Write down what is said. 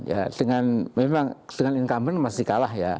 ya dengan memang dengan incumbent masih kalah ya